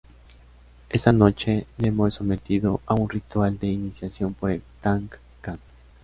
Esa noche, Nemo es sometido a un ritual de iniciación por el Tank Gang.